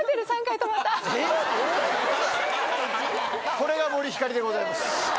これが森星でございます。